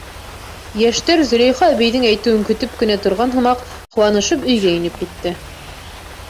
Йәштәр, Зөләйха әбейҙең әйтеүен көтөп кенә торған һымаҡ, ҡыуанышып өйгә инеп китте.